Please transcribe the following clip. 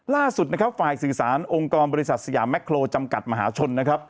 ล่าสุดฝ่ายสื่อสารองค์กรบริษัทสยามแม็กโคโลจำกัดมหาชน